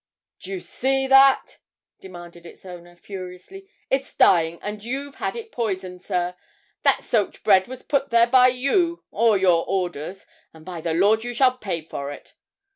'Do you see that?' demanded its owner, furiously; 'it's dying, and you've had it poisoned, sir; that soaked bread was put there by you or your orders and, by the Lord, you shall pay for it!'